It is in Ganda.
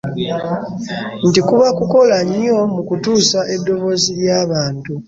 Nti kuba kukola nnyo mu kutuusa eddoboozi ly'abantu.